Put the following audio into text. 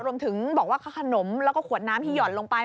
รวมถึงบอกว่าขนมแล้วก็ขวดน้ำที่หย่อนลงไป